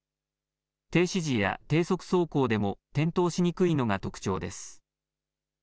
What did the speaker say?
停止時や低速走行でも転倒しにくいのが特徴です。